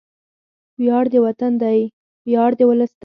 وياړ د وطن دی، ویاړ د ولس دی